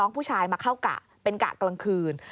น้องผู้ชายมาเข้ากล่าเป็นกล่ากลางคืน